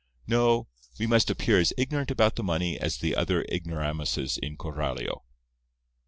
No; we must appear as ignorant about the money as the other ignoramuses in Coralio."